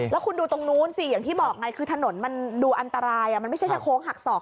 คุณผู้ชาวดูตรงโน้นนุ้นสิอย่างที่บอกคือถนนมันดูอันตรายมันไม่ใช่โค้งหักศอก